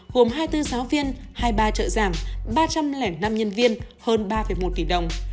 gồm hai mươi bốn giáo viên hai mươi ba trợ giảm ba trăm linh năm nhân viên hơn ba một tỷ đồng